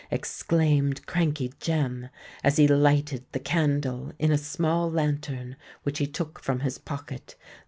exclaimed Crankey Jem, as he lighted the candle in a small lantern which he took from his pocket.